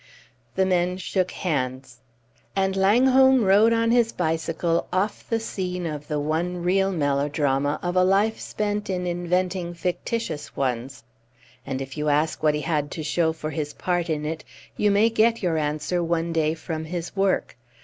The men shook hands. And Langholm rode on his bicycle off the scene of the one real melodrama of a life spent in inventing fictitious ones; and if you ask what he had to show for his part in it, you may get your answer one day from his work.